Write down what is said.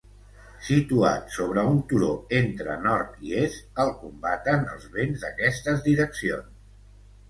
Situat sobre un turó entre nord i est, el combaten els vents d'aquestes direccions.